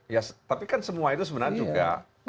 ya tapi kan semua itu sebenarnya juga